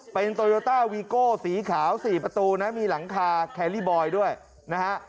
เป็นโตโยต้าวีโก้สีขาว๔ประตูนะมีหลังคาแคลลี่บอยด้วยนะฮะ